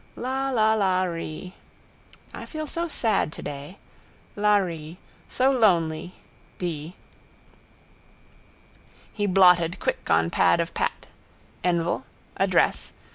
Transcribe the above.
La la la ree. I feel so sad today. La ree. So lonely. Dee. He blotted quick on pad of Pat. Envel. Address.